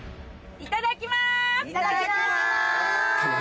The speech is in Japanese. いただきます！